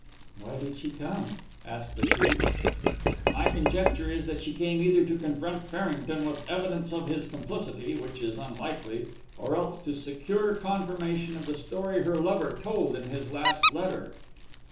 "Why did she come?" asked the chief. "My conjecture is that she came either to confront Farrington with evidence of his complicity, which is unlikely, or else to secure confirmation of the story her lover told in his last letter."